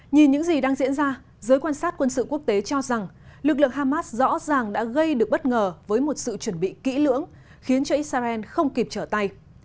nhìn những gì đang diễn ra giới quan sát quân sự quốc tế cho rằng lực lượng hamas rõ ràng đã gây được bất ngờ với một sự chuẩn bị kỹ lưỡng khiến cho israel không kịp trở tay